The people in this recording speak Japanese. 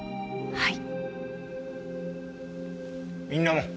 はい。